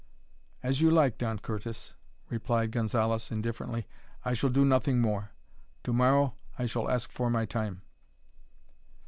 "As you like, Don Curtis," replied Gonzalez, indifferently. "I shall do nothing more. To morrow I shall ask for my time."